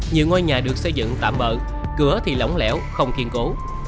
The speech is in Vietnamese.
nhiều ngôi nhà được xây dựng tạm bỡ cửa thì lỏng lẻo không kiên cố